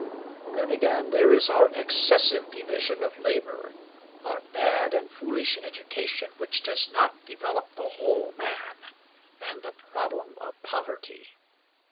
Then, again, there is our excessive division of labor; our bad and foolish education which does not develop the whole man; and the problem of poverty.